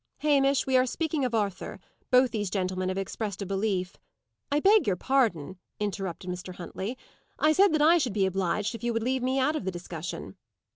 "Hamish, we are speaking of Arthur. Both these gentlemen have expressed a belief " "I beg your pardon," interrupted Mr. Huntley. "I said that I should be obliged if you would leave me out of the discussion."